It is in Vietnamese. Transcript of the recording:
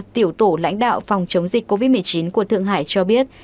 tiểu tổ lãnh đạo phòng chống dịch covid một mươi chín của thượng hải cho biết